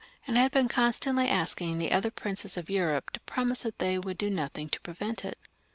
^^ and he had been constantly asking the other princes of Europe to promise that they would do nothing to prevent it.